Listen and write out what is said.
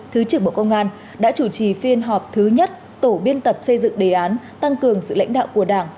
thứ trưởng bộ công an đã chủ trì phiên họp thứ nhất tổ biên tập xây dựng đề án tăng cường sự lãnh đạo của đảng